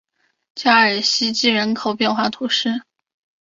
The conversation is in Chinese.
加尔希济人口变化图示